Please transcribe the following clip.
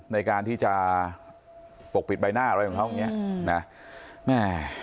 ในการที่จะปกปิดใบหน้าอะไรของเขาอย่างนี้นะแม่